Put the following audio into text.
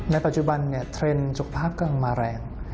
ในปัจจุบันเทรนด์สุขภาพกำลังมาแรง